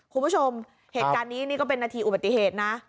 คุณผู้ชมเหตุการณ์นี้นี่ก็เป็นนาทีอุบัติเหตุนะ